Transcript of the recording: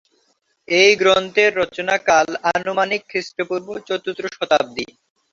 এই গ্রন্থের রচনাকাল আনুমানিক খ্রিষ্টপূর্ব চতুর্থ শতাব্দী।